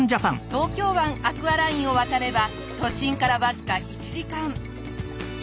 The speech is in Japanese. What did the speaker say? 東京湾アクアラインを渡れば都心からわずか１時間。